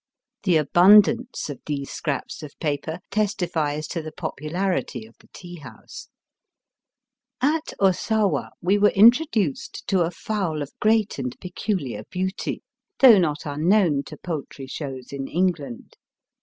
The abundance of these scraps of paper testifies to the popularity of the tea house. Digitized by VjOOQIC BOADSIDE AND BIVER. 273 At Osawa we were introduced to a fowl of great and peculiar beauty, though not unknown to poultry shows in England.